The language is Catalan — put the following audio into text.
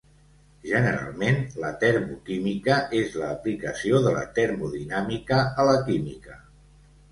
Generalment, la termoquímica és l'aplicació de la termodinàmica a la química.